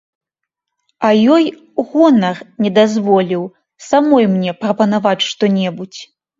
А ёй гонар не дазволіў самой мне прапанаваць што небудзь.